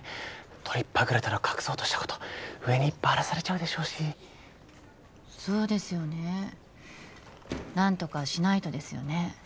取りっぱぐれたの隠そうとしたこと上にバラされちゃうでしょうしそうですよね何とかしないとですよね